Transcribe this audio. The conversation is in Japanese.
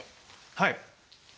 はい。